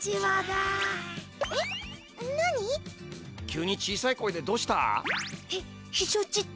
急に小さい声でどうした？えっ？